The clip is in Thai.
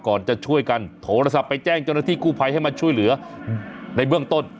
ก่อนจะช่วยกันโทรศัพท์ไปแจ้งเจ้าหน้าที่กู้ภัยให้มาช่วยเหลือในเบื้องต้น